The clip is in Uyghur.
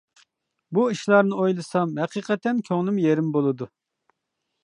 بۇ ئىشلارنى ئويلىسام ھەقىقەتەن كۆڭلۈم يېرىم بولىدۇ.